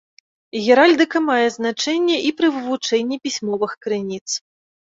Геральдыка мае значэнне і пры вывучэнні пісьмовых крыніц.